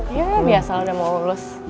iya biasa udah mau lulus